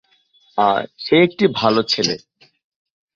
সে একটি ভালো ছেলে।